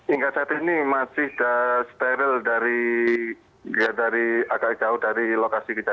inggasat ini masih sudah steril dari agak jauh dari lokasi kita